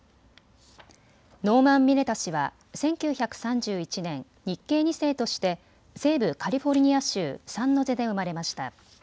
ノーマン・ミネタ氏は１９３１年、日系２世として西部カリフォルニア州サンノゼで生まれました。